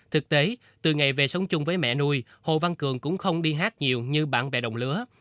thực tế từ ngày về sống chung với mẹ nuôi hồ văn cường cũng không đi hát nhiều như bạn bè đồng lứa